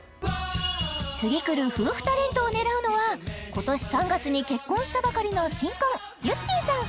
次くる夫婦タレントを狙うのは今年３月に結婚したばかりの新婚ゆってぃさん